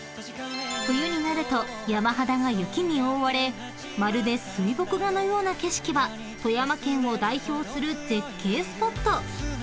［冬になると山肌が雪に覆われまるで水墨画のような景色は富山県を代表する絶景スポット］